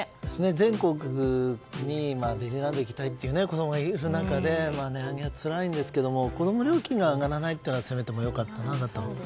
全国にディズニーランドに行きたいという子供がいる中で値上げはつらいんですが子供料金が上がらないのはせめて良かったなと。